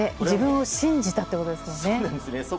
自分を信じたってことですもんね。